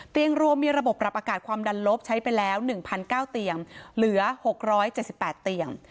รวมมีระบบปรับอากาศความดันลบใช้ไปแล้ว๑๙เตียงเหลือ๖๗๘เตียง